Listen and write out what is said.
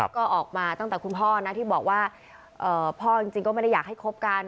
ก็ออกมาตั้งแต่คุณพ่อนะที่บอกว่าพ่อจริงก็ไม่ได้อยากให้คบกัน